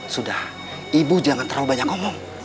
sudah ibu jangan terlalu banyak ngomong